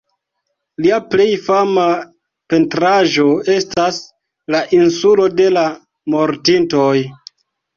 Lia plej fama pentraĵo estas "La Insulo de la Mortintoj".